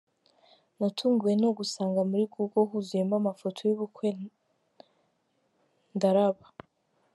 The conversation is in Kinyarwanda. Natunguwe no gusanga muri Google huzuyemo amafoto y’ubukwe ndaraba.